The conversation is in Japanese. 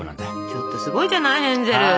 ちょっとすごいじゃないヘンゼル！